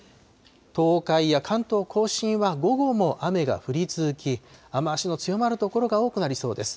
東海や関東甲信は午後も雨が降り続き、雨足の強まる所が多くなりそうです。